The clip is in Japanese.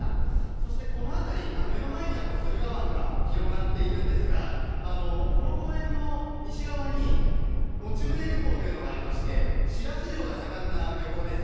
そしてこの辺り、目の前には駿河湾が広がっているんですが、この公園の西側にもちむね漁協というのがありまして、シラス漁が盛んな漁港です。